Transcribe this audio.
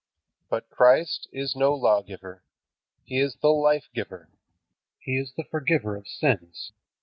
But Christ is no law giver. He is the Lifegiver. He is the Forgiver of sins.